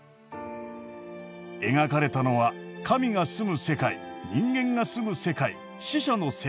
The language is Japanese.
描かれたのは神がすむ世界人間が住む世界死者の世界。